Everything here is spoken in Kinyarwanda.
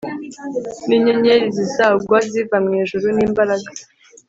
N inyenyeri zizagwa ziva mu ijuru n imbaraga